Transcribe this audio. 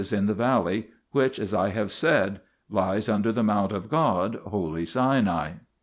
in the valley which, as I have said, lies under the mount of God, holy Sinai.